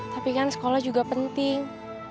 tapi kan sekolah juga penting